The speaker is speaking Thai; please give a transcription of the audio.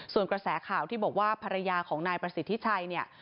ส่วนกระแสข่าวที่บอกว่าภรรยาของนายประสิทธิชัยเนี่ย